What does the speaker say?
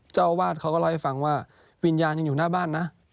เจ้าอาวาสเขาก็เล่าให้ฟังว่าวิญญาณยังอยู่หน้าบ้านนะ